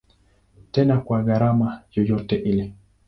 Tena kwa gharama yoyote ile.